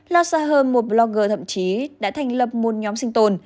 lhasa herm một blogger thậm chí đã thành lập một nhóm sinh tồn